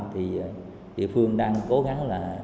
thì phương đang cố gắng là